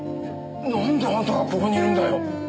なんであんたがここにいるんだよ？